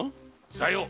さよう。